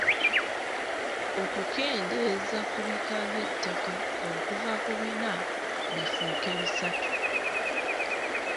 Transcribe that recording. Okukendeeza ku bika by’ettaka okuva ku bina bifuuke bisatu.